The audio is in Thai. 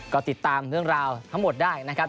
ก็ติดตามเรื่องราวทั้งหมดได้นะครับ